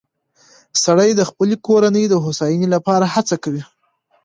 سړی د خپلې کورنۍ د هوساینې لپاره هڅه کوي